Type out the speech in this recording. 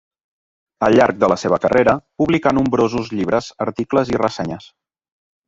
Al llarg de la seva carrera, publicà nombrosos llibres, articles i ressenyes.